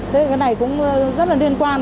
thế cái này cũng rất là liên quan